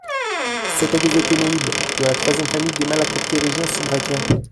C'étaient des échénéïdes, de la troisième famille des malacoptérygiens subbrachiens.